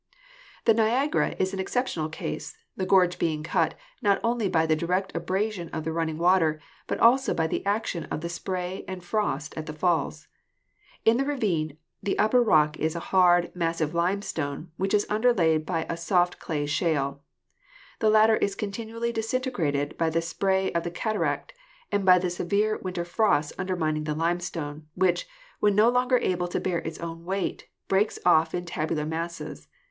The Niagara is an exceptional case, the gorge being cut, not only by the direct abrasion of the running water, but also by the action of the spray and frost at the falls. In the ravine the upper rock is a hard, massive limestone, which is underlaid by a soft clay shale. The latter is continually disintegrated by the spray of the cataract and by the severe winter frosts undermining the limestone, which, when no longer able to bear its own weight, breaks off in tabular masses.